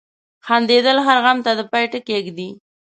• خندېدل هر غم ته د پای ټکی ږدي.